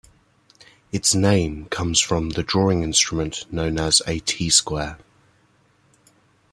Its name comes from the drawing instrument known as a T-square.